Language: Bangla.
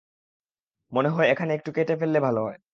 মনে হয় এখানটা একটু কেটে ফেললে ভাল হয়।